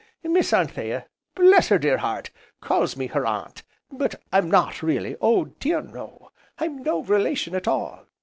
Miss Anthea, bless her dear heart! calls me her aunt, but I'm not really Oh dear no! I'm no relation at all!